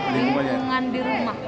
lingkungan di rumah